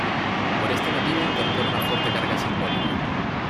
Por este motivo, incorpora una fuerte carga simbólica.